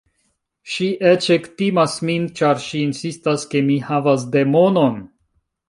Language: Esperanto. Ŝi eĉ ektimas min, ĉar ŝi insistas ke mi havas demonon.